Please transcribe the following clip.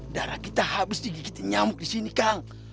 darah kita habis digigitin nyamuk disini kang